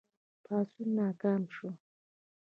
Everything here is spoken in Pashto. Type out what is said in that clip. پاڅون ناکام شو.